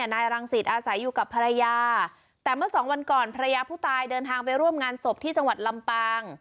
นายรังสิตอาศัยอยู่กับภรรยาแต่เมื่อสองวันก่อนภรรยาผู้ตายเดินทางไปร่วมงานศพที่จังหวัดลำปาง